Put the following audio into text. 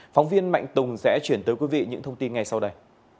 phóng viên mạnh tùng sẽ chuyển tới quý vị những thông tin ngay sau đây